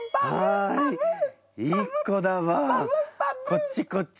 こっちこっち。